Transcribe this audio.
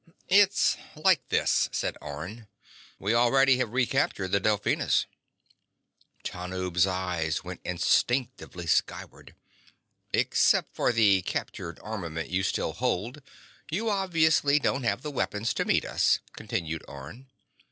_ "It's like this," said Orne. "We already have recaptured the Delphinus." Tanub's eyes went instinctively skyward. "Except for the captured armament you still hold, you obviously don't have the weapons to meet us," continued Orne.